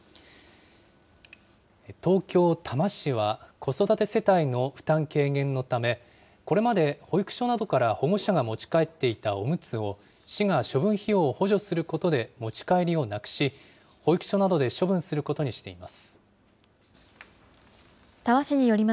東京・多摩市は、子育て世帯の負担軽減のため、これまで保育所などから保護者が持ち帰っていたおむつを、市が処分費用を補助することで持ち帰りをなくし、保育所などで処分することにしています。